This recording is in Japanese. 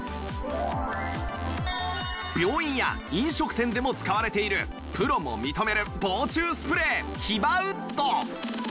病院や飲食店でも使われているプロも認める防虫スプレーヒバウッド